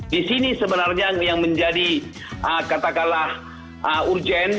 di sini sebenarnya yang menjadi katakanlah urgent